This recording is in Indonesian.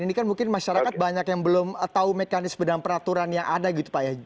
ini kan mungkin masyarakat banyak yang belum tahu mekanisme dan peraturan yang ada gitu pak ya